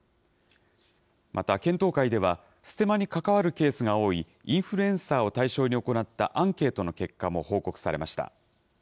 また、検討会では、ステマに関わるケースが多い、インフルエンサーを対象に行ったアンケートの結果も報告されました。